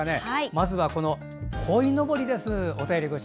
まずは、こいのぼりです。